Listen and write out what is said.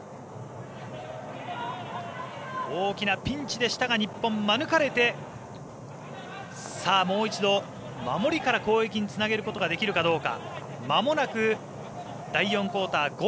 大きなピンチでしたが日本、まぬがれてもう一度、守りから攻撃につなげることができるかどうか。